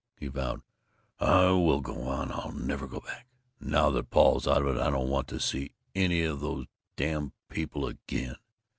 He vowed, "I will go on! I'll never go back! Now that Paul's out of it, I don't want to see any of those damn people again!